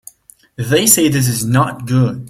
They say this is not good.